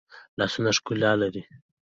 لاسونه ښکلا لري